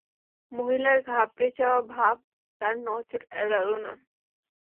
মহিলার ঘাবড়ে যাওয়া ভাব তাঁর নজর এড়াল না।